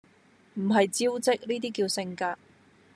唔係招積，呢啲叫性格